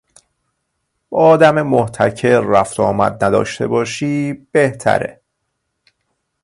با آدم محتکر رفت و آمد نداشته باشی بهتره